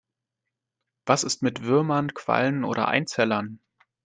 Was ist mit Würmern, Quallen oder Einzellern?